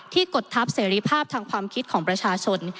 กดทับเสรีภาพทางความคิดของประชาชน